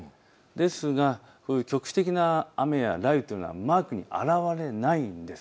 ですが局地的な雨や雷雨というのはマークに表れないんです。